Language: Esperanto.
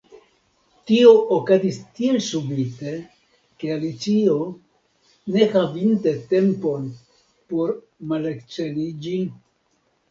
Tio okazis tiel subite ke Alicio, ne havinte tempon por malakceliĝi.